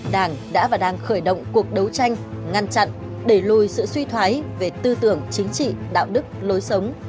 đảng đã và đang khởi động cuộc đấu tranh ngăn chặn đẩy lùi sự suy thoái về tư tưởng chính trị đạo đức lối sống